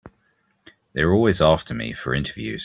They're always after me for interviews.